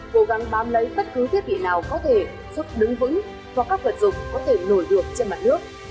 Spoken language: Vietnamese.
cố gắng bám lấy bất cứ thiết bị nào có thể giúp đứng vững qua các vật dụng có thể nổi được trên mặt nước